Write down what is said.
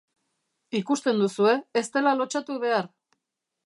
Ikusten duzue ez dela lotsatu behar!